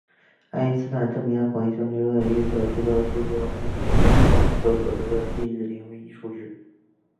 爱因斯坦证明了广义相对论预测出的数值完全符合观测所得的近日点位移数值。